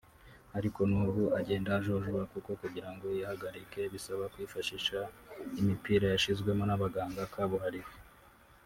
ariko n’ubu agenda ajojoba kuko kugira ngo yihagarike bisaba kwifashisha imipira yashyizwemo n’abaganga kabuhariwe